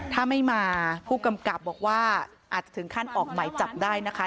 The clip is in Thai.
ถ้าไม่มาผู้กำกับบอกว่าอาจจะถึงขั้นออกหมายจับได้นะคะ